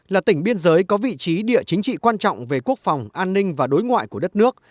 là tỉnh biên giới có vị trí địa chính trị quan trọng về quốc phòng an ninh và đối ngoại của đất nước